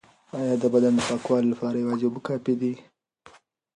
ایا د بدن د پاکوالي لپاره یوازې اوبه کافی دي؟